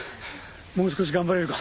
もう少し頑張れるか？